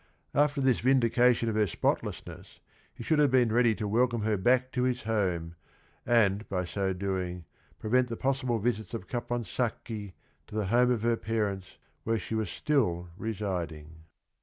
After this vindication of her spotlessness he should have been ready to welcome her back to his home, and by so doing prevent the possible visits of Caponsacchi to the home of her parents where she was still residing.